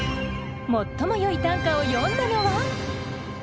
最もよい短歌を詠んだのは。